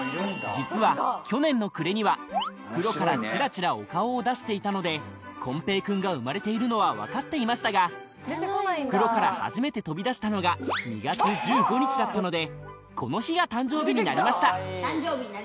実はには袋からちらちらお顔を出していたのでコンペイ君が生まれているのは分かっていましたが袋から初めて飛び出したのが２月１５日だったのでこの日が誕生日になりました